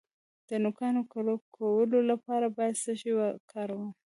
د نوکانو کلکولو لپاره باید څه شی وکاروم؟